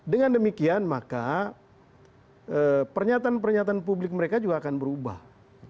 dengan demikian maka pernyataan pernyataan publik mereka juga akan berubah